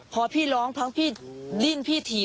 พอพี่ร้องเพราะพี่ดิ้นพี่ถีบ